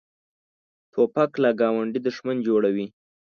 توپک له ګاونډي دښمن جوړوي.